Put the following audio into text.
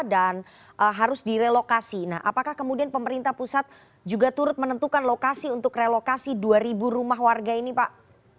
dan harus direlokasi nah apakah kemudian pemerintah pusat juga turut menentukan lokasi untuk relokasi dua rumah warga ini pak